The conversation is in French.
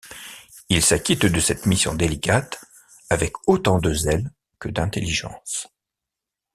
Il s’acquitte de cette mission délicate avec autant de zèle que d’intelligence.